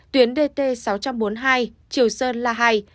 tuyến dt sáu trăm bốn mươi hai triều sơn la hai